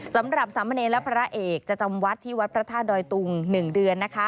สำหรับสามเณรและพระเอกจะจำวัดที่วัดพระธาตุดอยตุง๑เดือนนะคะ